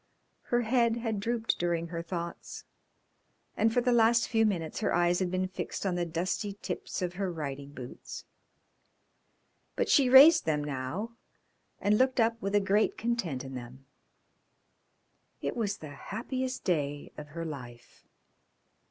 Her head had drooped during her thoughts, and for the last few minutes her eyes had been fixed on the dusty tips of her riding boots. But she raised them now and looked up with a great content in them. It was the happiest day of her life.